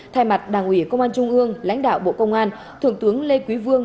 thay mặt đảng ủy công an trung ương lãnh đạo bộ công an thượng tướng lê quý vương